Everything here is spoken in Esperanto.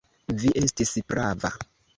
Vi estis prava.